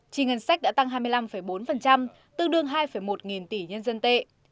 trì ngân sách đã tăng hai mươi năm bốn tương đương hai một nghìn tỷ nhân dân tệ